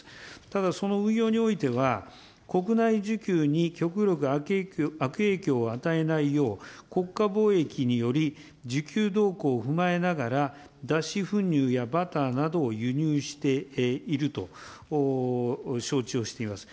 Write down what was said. ただ、その運用においては、国内需給に極力、悪影響を与えないよう、国家貿易により、需給動向を踏まえながら、脱脂粉乳やバターなどを輸入していると承知をしています。